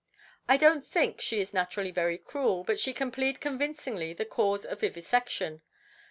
I don't think she is naturally very cruel, but she can plead convincingly the cause of vivisection.